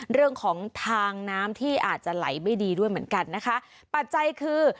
เรื่องของทางน้ำที่อาจจะไหลไม่ดีด้วยเหมือนกันนะคะปัจจัยคือ